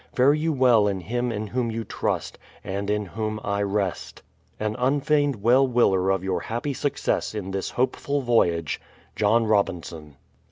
Fare you well in Him in Whom you trust, and in Whom I rest. An unfeigned well wilier of your happy success in this hopeful voyage, JOHN ROBINSON.